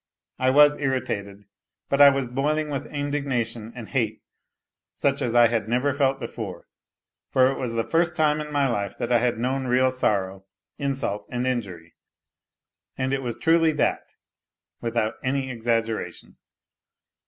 I was irritated ; but I was boiling with indignation and hate such as I had never felt before, for it was the first time in my life that I had known real sorrow, insult, and injury and it was truly that, withe it exaggeration.